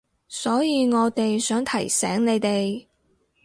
所以我哋想提醒你哋